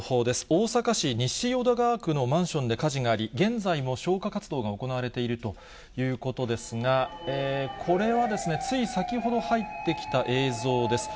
大阪市西淀川区のマンションで火事があり、現在も消火活動が行われているということですが、これはですね、つい先ほど入ってきた映像です。